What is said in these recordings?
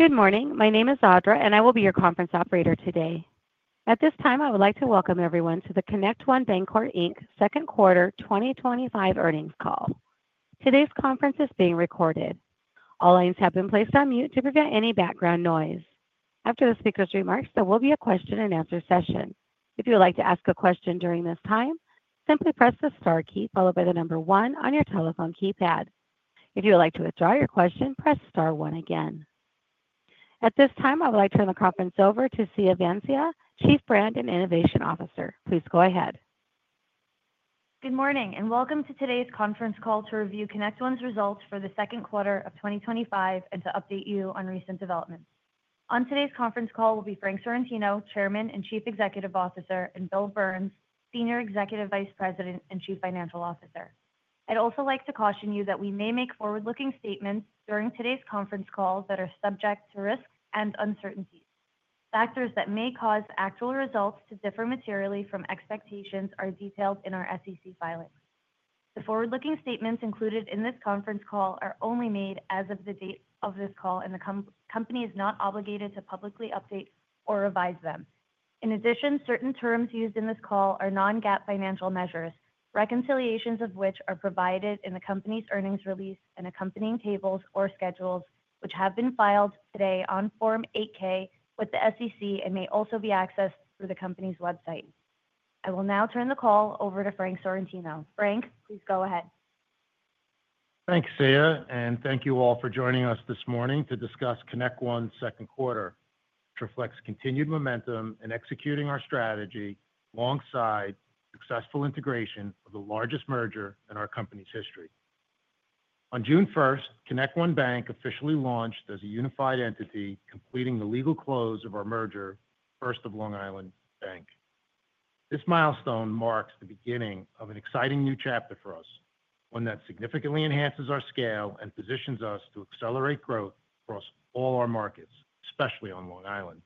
Good morning. My name is Audra, and I will be your conference operator today. At this time, I would like to welcome everyone to the ConnectOne Bancorp Inc Second Quarter 2025 Earnings Call. Today's conference is being recorded. All lines have been placed on mute to prevent any background noise. After the speaker's remarks, there will be a question and answer session. If you would like to ask a question during this time, simply press the star key followed by the number one on your telephone keypad. If you would like to withdraw your question, press star one again. At this time, I would like to turn the conference over to Siya Vyas, Chief Brand and Innovation Officer. Please go ahead. Good morning and welcome to today's conference call to review ConnectOne results for the second quarter of 2025 and to update you on recent developments. On today's conference call will be Frank Sorrentino, Chairman and Chief Executive Officer, and Bill Burns, Senior Executive Vice President and Chief Financial Officer. I'd also like to caution you that we may make forward-looking statements during today's conference call that are subject to risk and uncertainty. Factors that may cause actual results to differ materially from expectations are detailed in our SEC filing. The forward-looking statements included in this conference call are only made as of the date of this call, and the company is not obligated to publicly update or revise them. In addition, certain terms used in this call are non-GAAP financial measures, reconciliations of which are provided in the company's earnings release and accompanying tables or schedules, which have been filed today on Form 8-K with the SEC and may also be accessed through the company's website. I will now turn the call over to Frank Sorrentino. Frank, please go ahead. Thanks, Siya, and thank you all for joining us this morning to discuss ConnectOne's second quarter, which reflects continued momentum in executing our strategy alongside the successful integration of the largest merger in our company's history. On June 1, ConnectOne Bank officially launched as a unified entity, completing the legal close of our merger, First of Long Island Bank. This milestone marks the beginning of an exciting new chapter for us, one that significantly enhances our scale and positions us to accelerate growth across all our markets, especially on Long Island.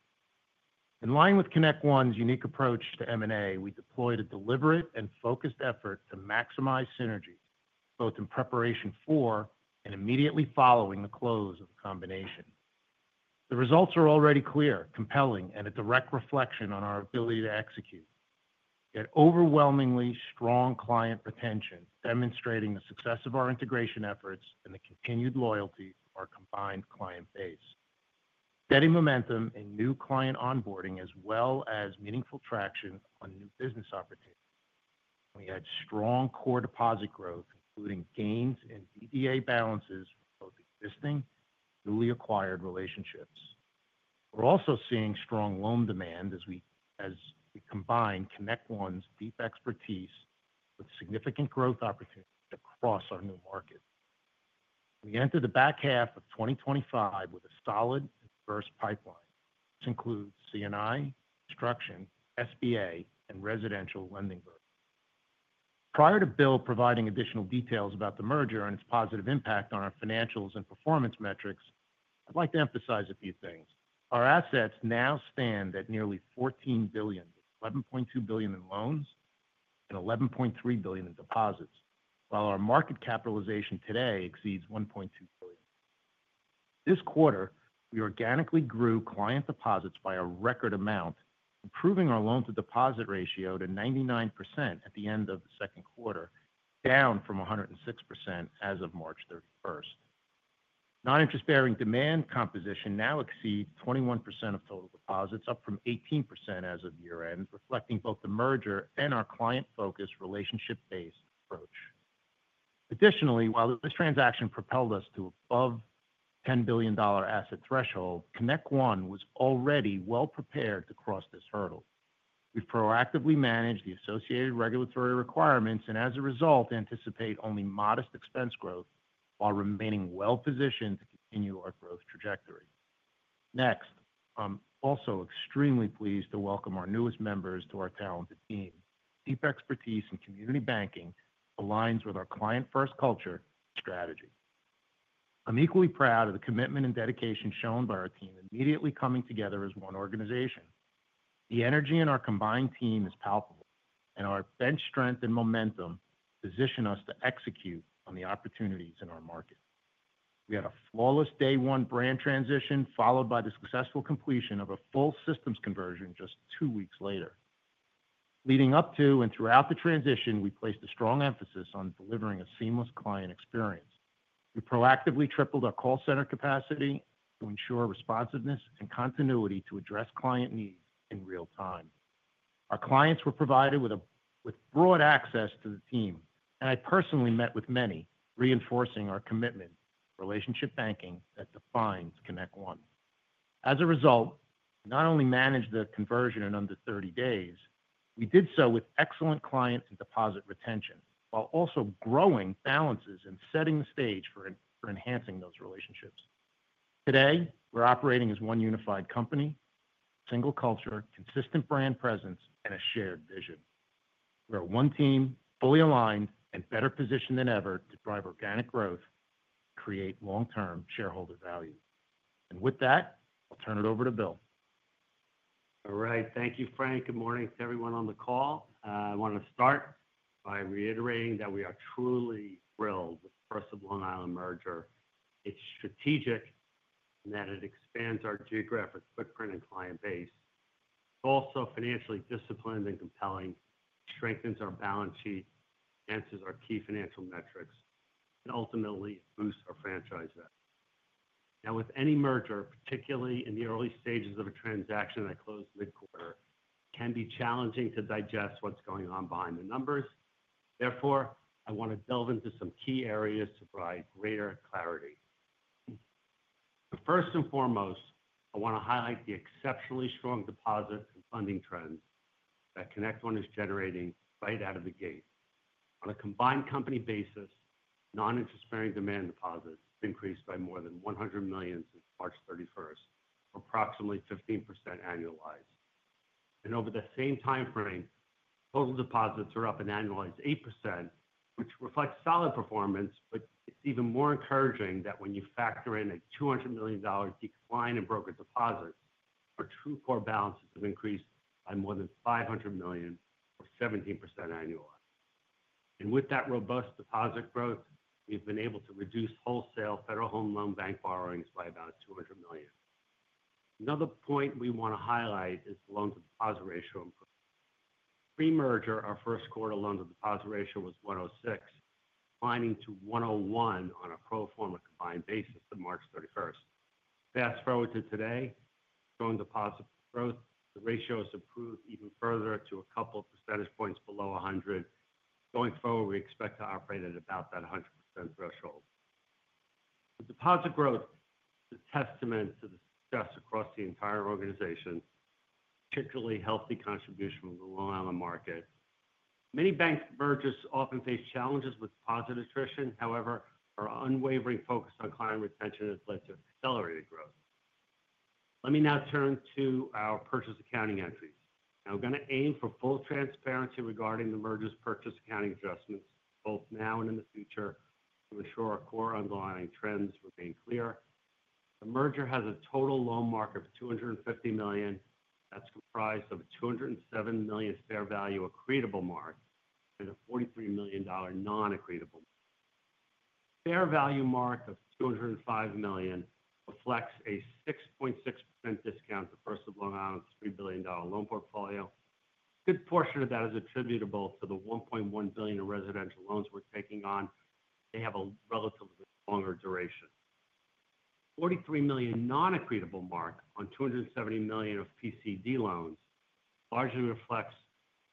In line with ConnectOne's unique approach to M&A, we deployed a deliberate and focused effort to maximize synergies, both in preparation for and immediately following the close of the combination. The results are already clear, compelling, and a direct reflection on our ability to execute. We had overwhelmingly strong client retention, demonstrating the success of our integration efforts and the continued loyalty of our combined client base. Steady momentum in new client onboarding, as well as meaningful traction on new business opportunities. We had strong core deposit growth, including gains in demand deposit account balances for both existing and newly acquired relationships. We're also seeing strong loan demand as we combine ConnectOne's deep expertise with significant growth opportunities across our new markets. We entered the back half of 2025 with a solid and diverse pipeline. This includes C&I, construction, SBA, and residential lending verticals. Prior to Bill providing additional details about the merger and its positive impact on our financials and performance metrics, I'd like to emphasize a few things. Our assets now stand at nearly $14 billion, $11.2 billion in loans, and $11.3 billion in deposits, while our market capitalization today exceeds $1.2 billion. This quarter, we organically grew client deposits by a record amount, improving our loan-to-deposit ratio to 99% at the end of the second quarter, down from 106% as of March 31. Non-interest-bearing demand composition now exceeds 21% of total deposits, up from 18% as of year-end, reflecting both the merger and our client-focused relationship-based approach. Additionally, while this transaction propelled us to above the $10 billion asset threshold, ConnectOne Bancorp was already well prepared to cross this hurdle. We proactively managed the associated regulatory requirements and, as a result, anticipate only modest expense growth while remaining well positioned to continue our growth trajectory. Next, I'm also extremely pleased to welcome our newest members to our talented team. Deep expertise in community banking aligns with our client-first culture and strategy. I'm equally proud of the commitment and dedication shown by our team immediately coming together as one organization. The energy in our combined team is palpable, and our bench strength and momentum position us to execute on the opportunities in our market. We had a flawless day-one brand transition, followed by the successful completion of a full systems conversion just two weeks later. Leading up to and throughout the transition, we placed a strong emphasis on delivering a seamless client experience. We proactively tripled our call center capacity to ensure responsiveness and continuity to address client needs in real time. Our clients were provided with broad access to the team, and I personally met with many, reinforcing our commitment to relationship banking that defines ConnectOne. As a result, we not only managed the conversion in under 30 days, we did so with excellent client and deposit retention, while also growing balances and setting the stage for enhancing those relationships. Today, we're operating as one unified company, a single culture, consistent brand presence, and a shared vision. We're one team, fully aligned, and better positioned than ever to drive organic growth and create long-term shareholder value. With that, I'll turn it over to Bill. All right. Thank you, Frank. Good morning to everyone on the call. I want to start by reiterating that we are truly thrilled with the First of Long Island Bank merger. It's strategic in that it expands our geographic footprint and client base. It's also financially disciplined and compelling. It strengthens our balance sheet, enhances our key financial metrics, and ultimately, boosts our franchise value. Now, with any merger, particularly in the early stages of a transaction that closed mid-quarter, it can be challenging to digest what's going on behind the numbers. Therefore, I want to delve into some key areas to provide greater clarity. First and foremost, I want to highlight the exceptionally strong deposit funding trend that ConnectOne is generating right out of the gate. On a combined company basis, non-interest-bearing demand deposits increased by more than $100 million since March 31, approximately 15% annualized. Over the same time frame, total deposits are up annualized 8%, which reflects solid performance. It's even more encouraging that when you factor in a $200 million decline in broker deposits, our true core balances have increased by more than $500 million, 17% annualized. With that robust deposit growth, we've been able to reduce wholesale Federal Home Loan Bank borrowings by about $200 million. Another point we want to highlight is the loan-to-deposit ratio improvement. Pre-merger, our first quarter loan-to-deposit ratio was 106, declining to 101 on a pro forma combined basis to March 31. Fast forward to today, showing deposit growth, the ratio has improved even further to a couple of percentage points below 100. Going forward, we expect to operate at about that 100% threshold. The deposit growth is a testament to the success across the entire organization, particularly healthy contribution from the Long Island market. Many banks' mergers often face challenges with deposit attrition. However, our unwavering focus on client retention has led to accelerated growth. Let me now turn to our purchase accounting entries. We're going to aim for full transparency regarding the merger's purchase accounting adjustments, both now and in the future, to ensure our core underlying trends remain clear. The merger has a total loan mark of $250 million that's comprised of a $207 million fair value accretable mark and a $43 million non-accretable mark. The fair value mark of $205 million reflects a 6.6% discount to First of Long Island Bank's $3 billion loan portfolio. A good portion of that is attributable to the $1.1 billion in residential lending we're taking on. They have a relatively longer duration. The $43 million non-accretable mark on $270 million of PCD loans largely reflects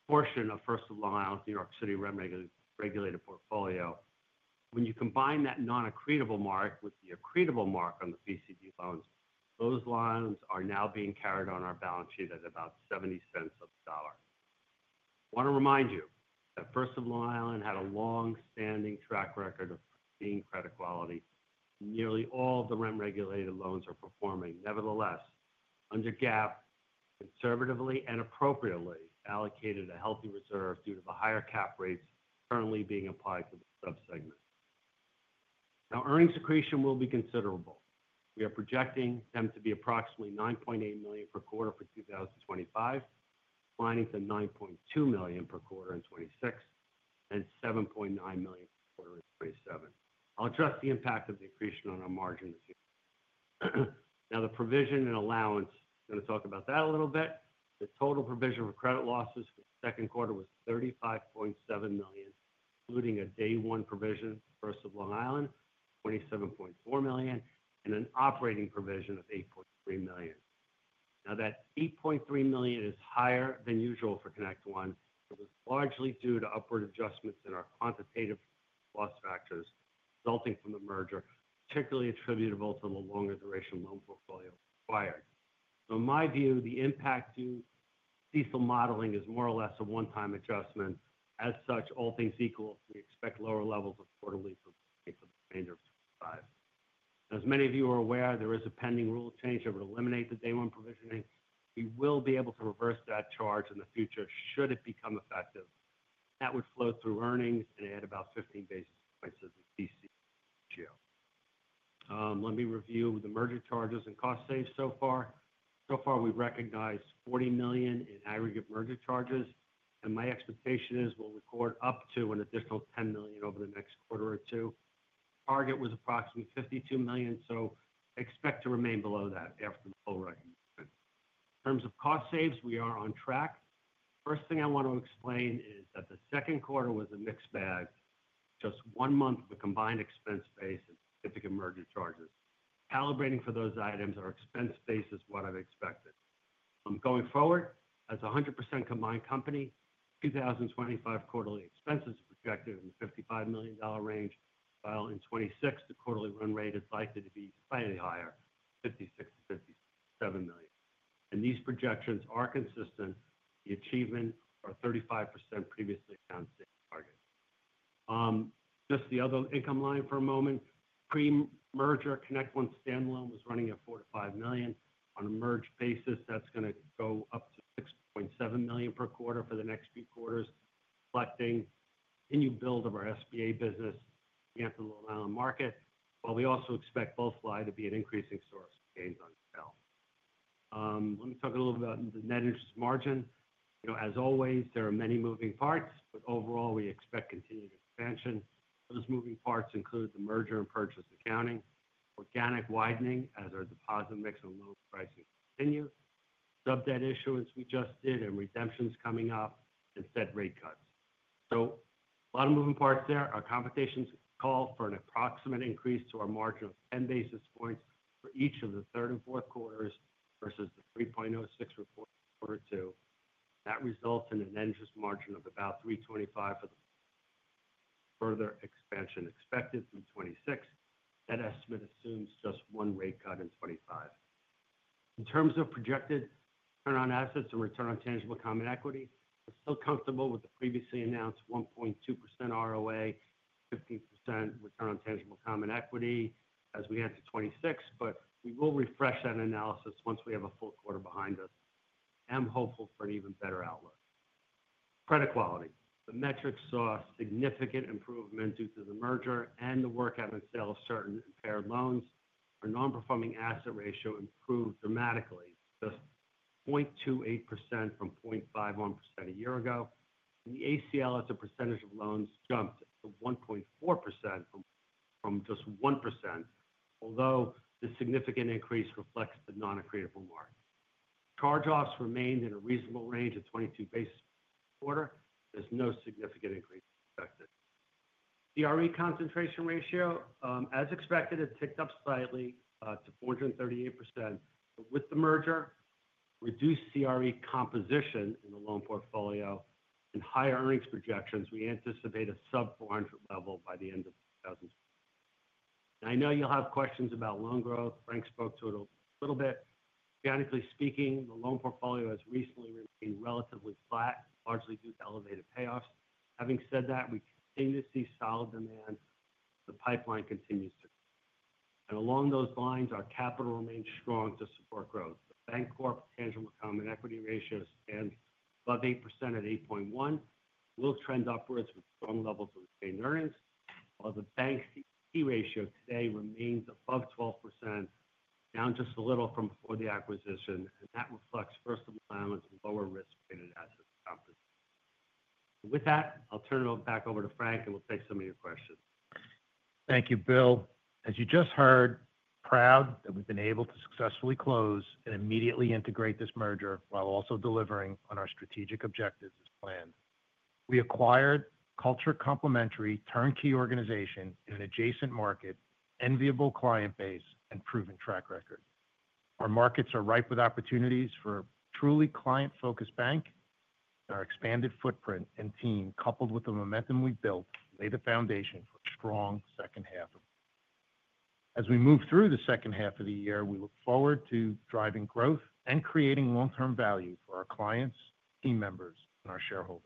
a portion of First of Long Island Bank's New York City regulated portfolio. When you combine that non-accretable mark with the accretable mark on the PCD loans, those loans are now being carried on our balance sheet at about $0.70 of a dollar. I want to remind you that First of Long Island Bank had a longstanding track record of being credit quality. Nearly all of the CRE-regulated loans are performing. Nevertheless, under GAAP, we conservatively and appropriately allocated a healthy reserve due to the higher cap rates currently being applied to the subsegment. Now, earnings accretion will be considerable. We are projecting them to be approximately $9.8 million per quarter for 2025, declining to $9.2 million per quarter in 2026, and $7.9 million per quarter in 2027. I'll address the impact of the accretion on our margin this year. Now, the provision and allowance, I'm going to talk about that a little bit. The total provision for credit losses for the second quarter was $35.7 million, including a day-one provision for First of Long Island Bank, $27.4 million, and an operating provision of $8.3 million. That $8.3 million is higher than usual for ConnectOne. It's largely due to upward adjustments in our quantitative loss factors resulting from the merger, particularly attributable to the longer duration loan portfolio acquired. In my view, the impact you see from modeling is more or less a one-time adjustment. As such, all things equal, we expect lower levels of quarterly provisioning for the remainder of 2025. As many of you are aware, there is a pending rule change that would eliminate the day-one provisioning. We will be able to reverse that charge in the future should it become effective. That would flow through earnings and add about 15 basis points to the PCD ratio. Let me review the merger charges and cost saves so far. So far, we've recognized $40 million in aggregate merger charges, and my expectation is we'll record up to an additional $10 million over the next quarter or two. Target was approximately $52 million, so I expect to remain below that after the full recommendation. In terms of cost saves, we are on track. The first thing I want to explain is that the second quarter was a mixed bag, just one month of a combined expense base and typical merger charges. Calibrating for those items, our expense base is what I've expected. I'm going forward as a 100% combined company. 2025 quarterly expenses are projected in the $55 million range, while in 2026, the quarterly run rate is likely to be slightly higher, $56 to $57 million. These projections are consistent. The achievement is our 35% previously found savings target. Just the other income line for a moment. Pre-merger ConnectOne standalone was running at $4 to $5 million. On a merged basis, that's going to go up to $6.7 million per quarter for the next few quarters, reflecting the continued build of our SBA business against the Long Island market, while we also expect both Long Island to be an increasing source of gains on sale. Let me talk a little bit about the net interest margin. You know, as always, there are many moving parts, but overall, we expect continued expansion. Those moving parts include the merger and purchase accounting, organic widening as our deposit mix and loan pricing continue, sub-debt issuance we just did, redemptions coming up, and Fed rate cuts. A lot of moving parts there. Our computations call for an approximate increase to our margin of 10 basis points for each of the third and fourth quarters versus the 3.06% reported quarter two. That results in an interest margin of about 3.25% for the further expansion expected through 2026. That estimate assumes just one rate cut in 2025. In terms of projected return on assets and return on tangible common equity, I'm still comfortable with the previously announced 1.2% ROA, 15% return on tangible common equity as we enter 2026, but we will refresh that analysis once we have a full quarter behind us. I am hopeful for an even better outlook. Credit quality. The metrics saw a significant improvement due to the merger and the workout and sale of certain impaired loans. Our non-performing asset ratio improved dramatically to just 0.28% from 0.51% a year ago. The allowance for credit losses as a percentage of loans jumped to 1.4% from just 1%, although this significant increase reflects the non-accretable mark. Charge-offs remained in a reasonable range of 22 basis points per quarter. There's no significant increase expected. CRE concentration ratio, as expected, it ticked up slightly to 438%. With the merger, reduced CRE composition in the loan portfolio and high earnings projections, we anticipate a sub-400 level by the end of 2020. I know you'll have questions about loan growth. Frank spoke to it a little bit. Theoretically speaking, the loan portfolio has recently remained relatively flat, largely due to elevated payoffs. Having said that, we continue to see solid demand. The pipeline continues to grow. Along those lines, our capital remains strong to support growth. The Bancorp tangible common equity ratio stands above 8% at 8.1%. Will trend upwards with strong levels of retained earnings, while the bank's E ratio today remains above 12%, down just a little from before the acquisition. That reflects First of Long Island Bank's lower risk-rated asset company. With that, I'll turn it back over to Frank, and we'll take some of your questions. Thank you, Bill. As you just heard, proud that we've been able to successfully close and immediately integrate this merger while also delivering on our strategic objectives as planned. We acquired a culture complementary turnkey organization in an adjacent market, enviable client base, and proven track record. Our markets are ripe with opportunities for a truly client-focused bank. Our expanded footprint and team, coupled with the momentum we built, lay the foundation for a strong second half of the year. As we move through the second half of the year, we look forward to driving growth and creating long-term value for our clients, team members, and our shareholders.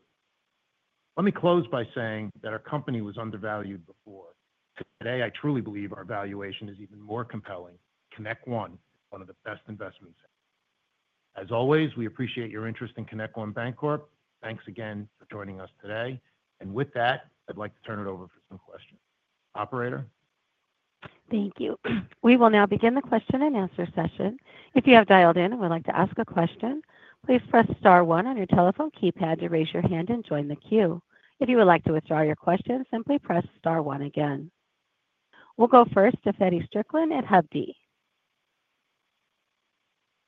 Let me close by saying that our company was undervalued before. Today, I truly believe our valuation is even more compelling. ConnectOne, one of the best investments ever. As always, we appreciate your interest in ConnectOne Bancorp. Thanks again for joining us today. With that, I'd like to turn it over for some questions. Operator? Thank you. We will now begin the question and answer session. If you have dialed in and would like to ask a question, please press star one on your telephone keypad to raise your hand and join the queue. If you would like to withdraw your question, simply press star one again. We'll go first to Freddie Strickland at Hovde.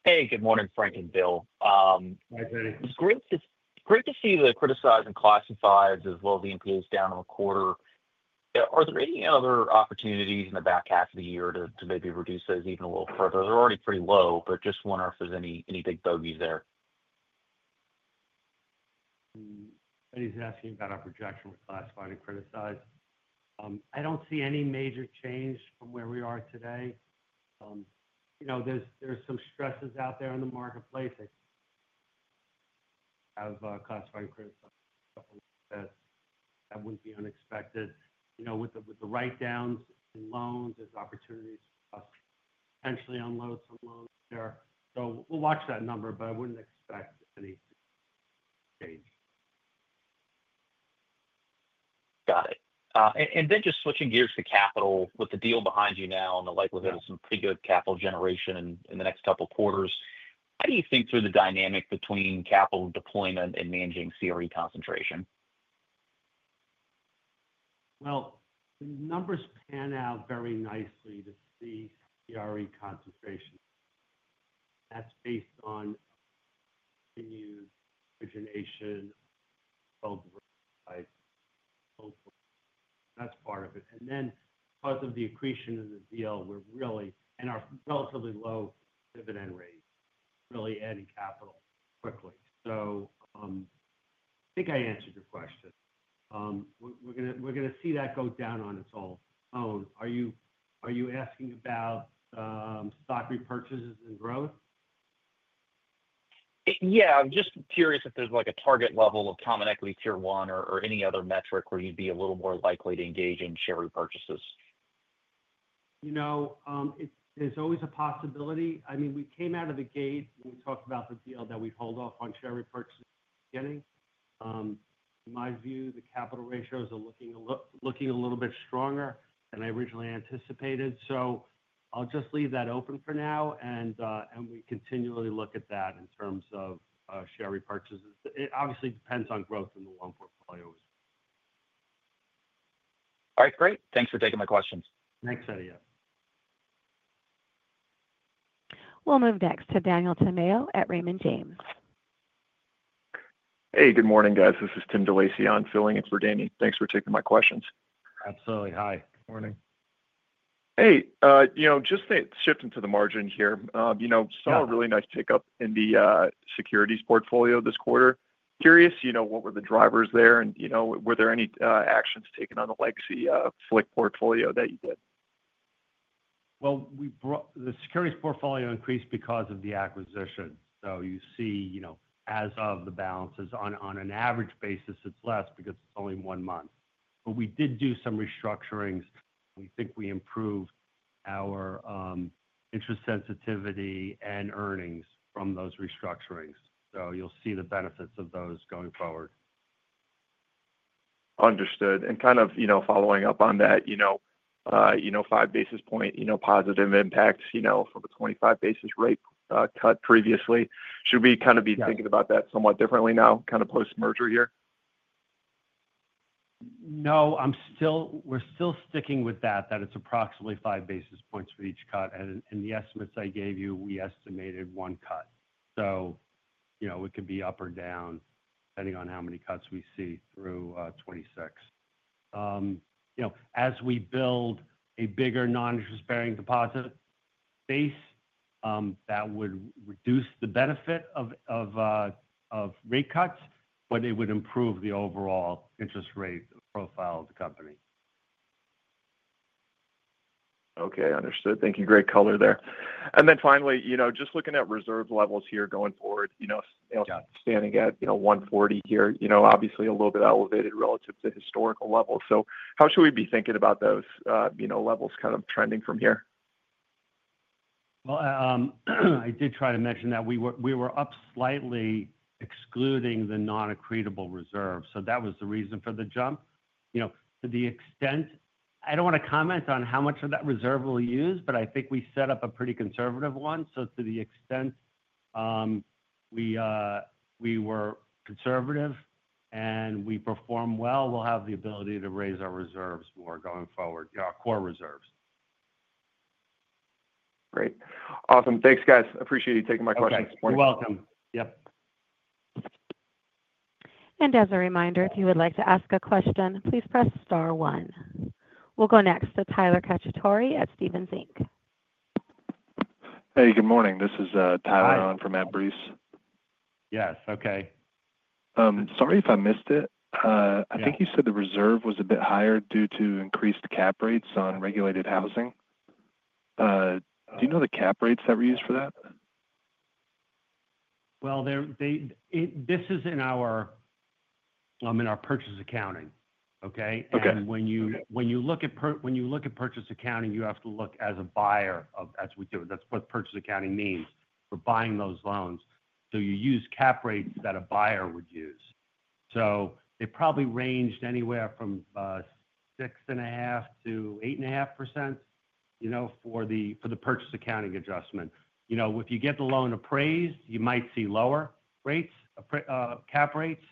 Hey, good morning, Frank and Bill. Hi, Feddie. It's great to see the criticized and classifieds as well as the NPAs down on a quarter. Are there any other opportunities in the back half of the year to maybe reduce those even a little further? They're already pretty low, but just want to know if there's any big bogeys there. is asking about our projection with classified and criticized. I don't see any major change from where we are today. There's some stresses out there in the marketplace. As classified and criticized, that wouldn't be unexpected. With the write-downs and loans, there's opportunities for us to potentially unload some loans there. We'll watch that number, but I wouldn't expect any change. Got it. Just switching gears to capital, with the deal behind you now and the likelihood of some pretty good capital generation in the next couple of quarters, how do you think through the dynamic between capital deployment and managing CRE concentration? The numbers pan out very nicely to see CRE concentration. That's based on continued origination of risk type. That's part of it. Because of the accretion of the VL, we're really at a relatively low dividend rate, really adding capital quickly. I think I answered your question. We're going to see that go down on its own. Are you asking about stock repurchases and growth? Yeah, I'm just curious if there's like a target level of common equity tier one or any other metric where you'd be a little more likely to engage in share repurchases. You know, there's always a possibility. I mean, we came out of the gate when we talked about the deal that we'd hold off on share repurchases in the beginning. In my view, the capital ratios are looking a little bit stronger than I originally anticipated. I'll just leave that open for now, and we continually look at that in terms of share repurchases. It obviously depends on growth in the loan portfolio. All right. Great. Thanks for taking my questions. Thanks, Feddie. We'll move next to Daniel Tamayo at Raymond James. Hey, good morning, guys. This is Tim Switzer filling in for Daniel. Thanks for taking my questions. Absolutely. Hi, morning. Hey, just shifting to the margin here, saw a really nice pickup in the securities portfolio this quarter. Curious, what were the drivers there? Were there any actions taken on the legacy First of Long Island Bank portfolio that you did? The securities portfolio increased because of the acquisition. You see, as of the balances, on an average basis, it's less because it's only one month. We did do some restructurings. We think we improved our interest sensitivity and earnings from those restructurings. You'll see the benefits of those going forward. Understood. Kind of, you know, following up on that, five basis point positive impacts from the 25 basis point rate cut previously. Should we kind of be thinking about that somewhat differently now, kind of post-merger here? No, we're still sticking with that, that it's approximately five basis points for each cut. In the estimates I gave you, we estimated one cut. It could be up or down depending on how many cuts we see through 2026. As we build a bigger non-interest-bearing deposit base, that would reduce the benefit of rate cuts, but it would improve the overall interest rate profile of the company. Okay. Understood. Thank you. Great color there. Finally, just looking at reserve levels here going forward, sales standing at $140 here, obviously a little bit elevated relative to historical levels. How should we be thinking about those levels kind of trending from here? I did try to mention that we were up slightly, excluding the non-accretable reserve. That was the reason for the jump. You know, to the extent, I don't want to comment on how much of that reserve we'll use, but I think we set up a pretty conservative one. To the extent we were conservative and we perform well, we'll have the ability to raise our reserves more going forward, you know, our core reserves. Great. Awesome. Thanks, guys. Appreciate you taking my questions. Thanks. You're welcome. Yep. As a reminder, if you would like to ask a question, please press star one. We'll go next to Tyler Cacciatore at Stephens Inc. Hey, good morning. This is Tyler on from Matthew Breese. Yes. Okay. Sorry if I missed it. I think you said the reserve was a bit higher due to increased cap rates on regulated housing. Do you know the cap rates that were used for that? This is in our purchase accounting, okay? When you look at purchase accounting, you have to look as a buyer of, as we do, that's what purchase accounting means. We're buying those loans. You use cap rates that a buyer would use. They probably ranged anywhere from 6.5% to 8.5% for the purchase accounting adjustment. If you get the loan appraised, you might see lower cap rates,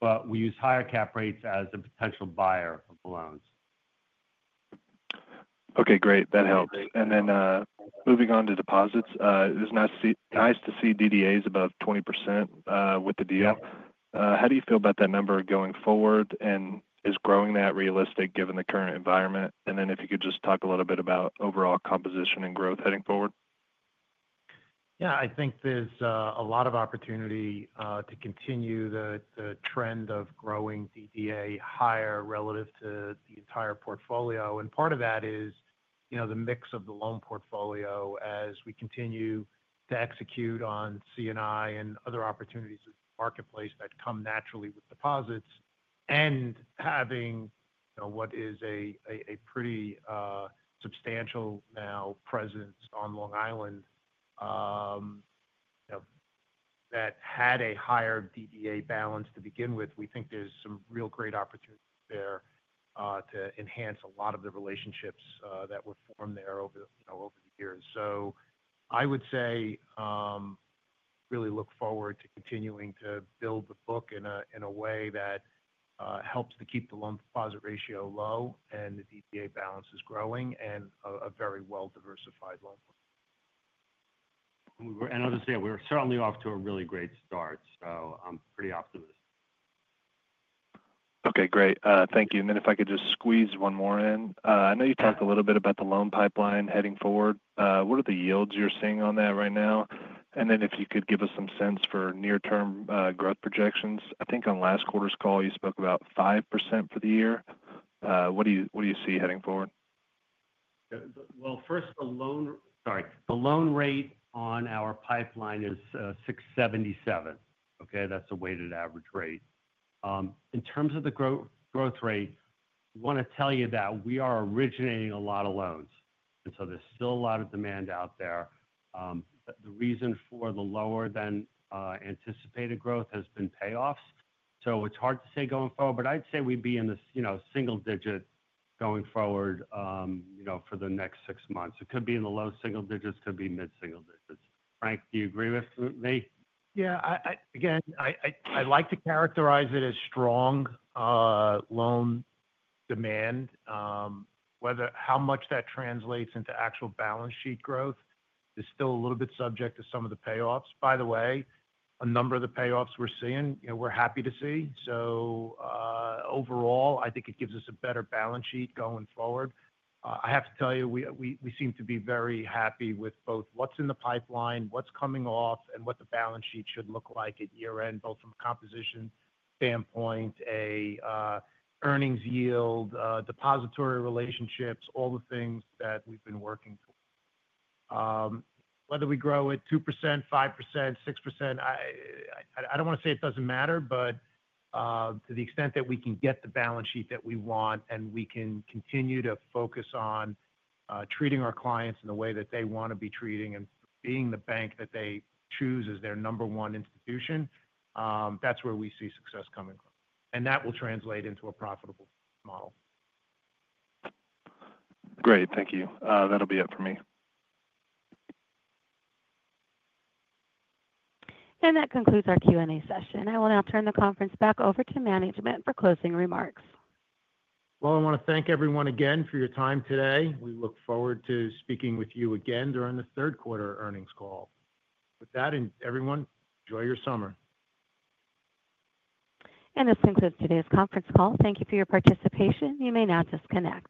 but we use higher cap rates as a potential buyer of the loans. Okay. Great. That helps. Moving on to deposits, it was nice to see demand deposit accounts above 20% with the deal. How do you feel about that number going forward, and is growing that realistic given the current environment? If you could just talk a little bit about overall composition and growth heading forward. Yeah. I think there's a lot of opportunity to continue the trend of growing DDA higher relative to the entire portfolio. Part of that is the mix of the loan portfolio as we continue to execute on C&I and other opportunities in the marketplace that come naturally with deposits. Having what is a pretty substantial now presence on Long Island that had a higher DDA balance to begin with, we think there's some real great opportunity there to enhance a lot of the relationships that were formed there over the years. I would say really look forward to continuing to build the book in a way that helps to keep the loan-to-deposit ratio low and the DDA balances growing and a very well-diversified loan portfolio. We're certainly off to a really great start. I'm pretty optimistic. Okay. Great. Thank you. If I could just squeeze one more in, I know you talked a little bit about the loan pipeline heading forward. What are the yields you're seeing on that right now? If you could give us some sense for near-term growth projections, I think on last quarter's call, you spoke about 5% for the year. What do you see heading forward? The loan rate on our pipeline is 6.77%. That's a weighted average rate. In terms of the growth rate, I want to tell you that we are originating a lot of loans, and there's still a lot of demand out there. The reason for the lower than anticipated growth has been payoffs. It's hard to say going forward, but I'd say we'd be in this single digit going forward for the next six months. It could be in the low single digits, could be mid-single digits. Frank, do you agree with me? Yeah. Again, I like to characterize it as strong loan demand. Whether how much that translates into actual balance sheet growth is still a little bit subject to some of the payoffs. By the way, a number of the payoffs we're seeing, you know, we're happy to see. Overall, I think it gives us a better balance sheet going forward. I have to tell you, we seem to be very happy with both what's in the pipeline, what's coming off, and what the balance sheet should look like at year-end, both from a composition standpoint, an earnings yield, depository relationships, all the things that we've been working towards. Whether we grow at 2%, 5%, 6%, I don't want to say it doesn't matter, but to the extent that we can get the balance sheet that we want and we can continue to focus on treating our clients in the way that they want to be treating and being the bank that they choose as their number one institution, that's where we see success coming from. That will translate into a profitable model. Great. Thank you. That'll be it for me. That concludes our Q&A session. I will now turn the conference back over to management for closing remarks. Thank you everyone again for your time today. We look forward to speaking with you again during the third quarter earnings call. With that, everyone enjoy your summer. This concludes today's conference call. Thank you for your participation. You may now disconnect.